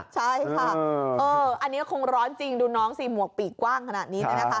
ใช่ค่ะอันนี้คงร้อนจริงดูน้องสิหมวกปีกกว้างขนาดนี้